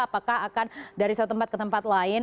apakah akan dari satu tempat ke tempat lain